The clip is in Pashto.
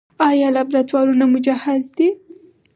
آیا لابراتوارونه مجهز دي؟